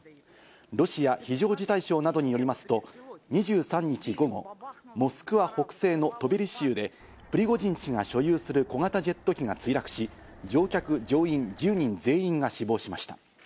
ロシア非常事態省などによりますと、２３日午後、モスクワ北西のトベリ州でプリゴジン氏が所有する小型ジェット機が墜落し、乗客・乗員１０人全員が死亡しました。